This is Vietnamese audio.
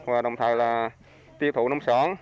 và đồng thời là tiêu thụ nông sản